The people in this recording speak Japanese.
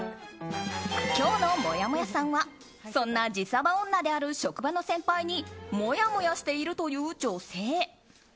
今日のもやもやさんはそんな自サバ女である職場の先輩にもやもやしているという女性。